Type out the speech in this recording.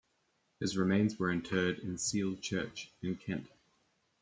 His remains were interred in Seal church in Kent.